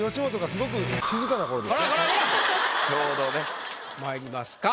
ちょうどね。まいりますか。